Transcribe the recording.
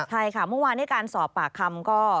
ใช่ค่ะเมื่อวานในการสอบปากคำก็